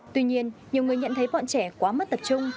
tuy nhiên nhiều người nhận thấy bọn trẻ quá mất tập trung